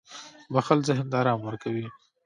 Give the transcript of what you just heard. • بښل ذهن ته آرام ورکوي.